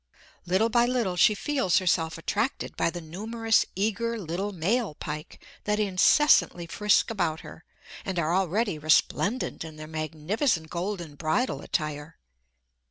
Little by little she feels herself attracted by the numerous eager little male pike that incessantly frisk about her, and are already resplendent in their magnificent golden bridal attire.